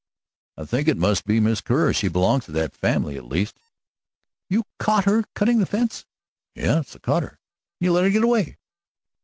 "I think it must be Miss Kerr; she belongs to that family, at least." "You caught her cutting the fence?" "Yes, I caught her at it." "And you let her get away?"